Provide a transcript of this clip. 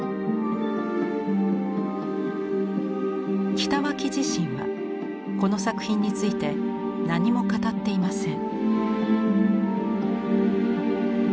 北脇自身はこの作品について何も語っていません。